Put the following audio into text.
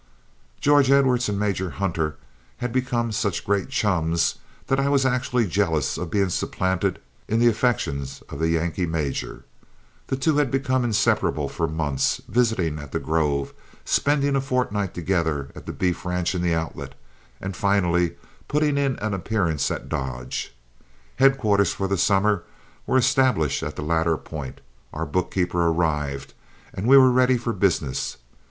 George Edwards and Major Hunter had become such great chums that I was actually jealous of being supplanted in the affections of the Yankee major. The two had been inseparable for months, visiting at The Grove, spending a fortnight together at the beef ranch in the Outlet, and finally putting in an appearance at Dodge. Headquarters for the summer were established at the latter point, our bookkeeper arrived, and we were ready for business.